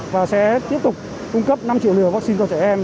và sẽ tiếp tục cung cấp năm triệu liều vaccine cho trẻ em